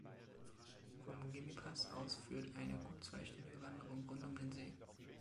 Vom Gemmipass aus führt eine gut zweistündige Wanderung rund um den See.